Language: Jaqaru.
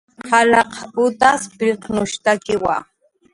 Qalaq utas pirqnushtakiwa